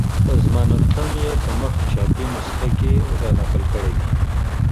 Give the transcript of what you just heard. اظماننتم یې په مخ چاپي نسخه کې را نقل کړی دی.